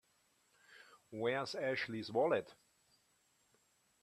Where's Ashley's wallet?